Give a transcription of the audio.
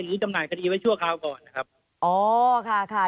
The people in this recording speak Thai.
หรือจำหน่ายคณีไว้ชั่วคราวก่อนนะครับ